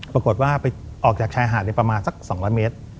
ปรากฏว่าไปออกจากชายหาดประมาณสัก๒๐๐เมตร